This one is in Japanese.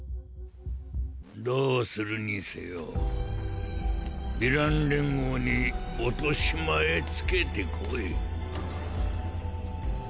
どうするにせよヴィラン連合に落とし前つけてこい。